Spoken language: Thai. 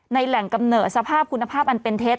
แหล่งกำเนิดสภาพคุณภาพอันเป็นเท็จ